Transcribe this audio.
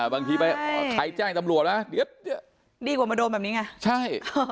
บางทีไปใครแจ้งตำรวจมาเดี๋ยวดีกว่ามาโดนแบบนี้ไงใช่